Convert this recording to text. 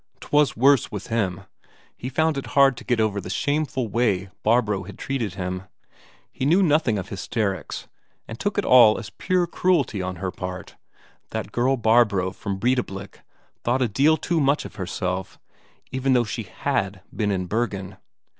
'Twas worse with him; he found it hard to get over the shameful way Barbro had treated him. He knew nothing of hysterics, and took it as all pure cruelty on her part; that girl Barbro from Breidablik thought a deal too much of herself, even though she had been in Bergen....